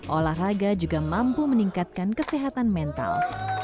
olahraga juga mampu meningkatkan kesehatan mental